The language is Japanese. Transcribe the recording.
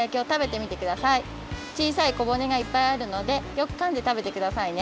ちいさいこぼねがいっぱいあるのでよくかんでたべてくださいね。